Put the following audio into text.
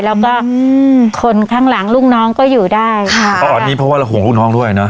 แล้วก็อืมคนข้างหลังลูกน้องก็อยู่ได้ค่ะเพราะอันนี้เพราะว่าเราห่วงลูกน้องด้วยเนอ